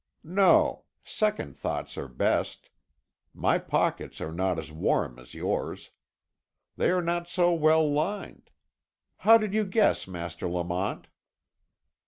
"No; second thoughts are best. My pockets are not as warm as yours. They are not so well lined. How did you guess, Master Lamont?"